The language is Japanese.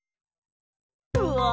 うわ！